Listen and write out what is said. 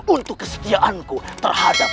untuk kesetiaanku terhadap